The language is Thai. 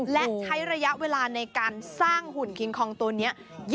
และใช้ระยะเวลาในการสร้างหุ่นคิงคองตัวนี้